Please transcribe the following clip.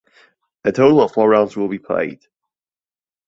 A total of four rounds will be played.